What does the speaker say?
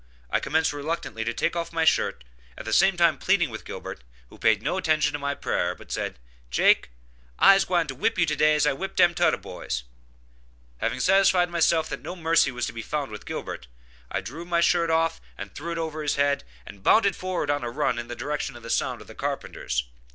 I commenced reluctantly to take off my shirt, at the same time pleading with Gilbert, who paid no attention to my prayer, but said, "Jake, I is gwine to wip you to day as I did dem toder boys." Having satisfied myself that no mercy was to be found with Gilbert, I drew my shirt off and threw it over his head, and bounded forward on a run in the direction of the sound of the carpenters.